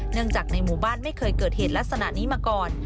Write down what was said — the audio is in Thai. เนื่องจากในหมู่บ้านไม่เคยเกิดเหตุลักษณะนี้มาก่อน